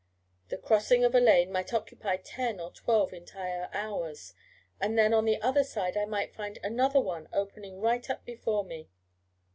The crossing of a lane might occupy ten or twelve entire hours, and then, on the other side I might find another one opening right before me.